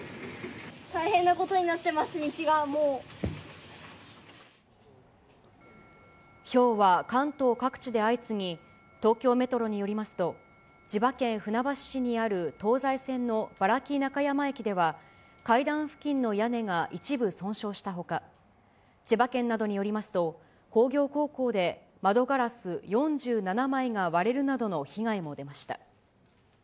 大変なことになってます、道がもひょうは関東各地で相次ぎ、東京メトロによりますと、千葉県船橋市にある東西線の原木中山駅では、階段付近の屋根が一部損傷したほか、千葉県などによりますと、工業高校で窓ガラス４７枚が割れるなどの被害も出ました。